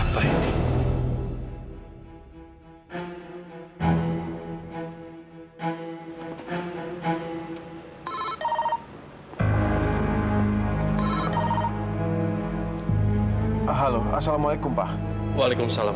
pak pak pak